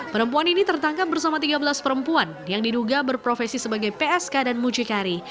perempuan ini tertangkap bersama tiga belas perempuan yang diduga berprofesi sebagai psk dan mucikari